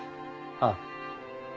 ああ。